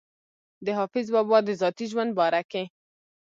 د حافظ بابا د ذاتي ژوند باره کښې